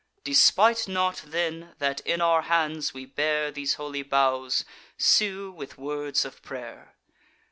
Despite not then, that in our hands we bear These holy boughs, and sue with words of pray'r.